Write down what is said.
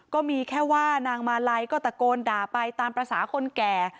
ก็มีแค่ว่านางมาลัยก็ตะโกนด่าไปตามภาษาคนแก่